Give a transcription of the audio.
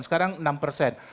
sekarang enam persen